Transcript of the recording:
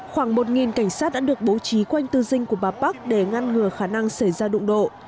khoảng một cảnh sát đã được bố trí quanh tư dinh của bà park để ngăn ngừa khả năng xảy ra đụng độ